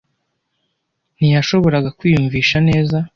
Ntiyashoboraga kwiyumvisha neza.